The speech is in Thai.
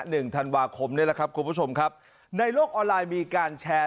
หนึ่งธันวาคมนี่แหละครับคุณผู้ชมครับในโลกออนไลน์มีการแชร์